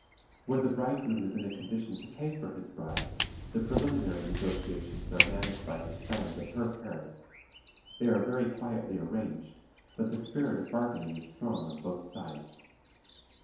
Where the bridegroom is in a condition to pay for his bride, the preliminary negotiations are managed by his friends and her parents; they are very quietly arranged, but the spirit of bargaining is strong on both sides.